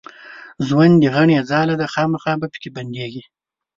ژوند د غڼي ځاله ده خامخا به پکښې بندېږې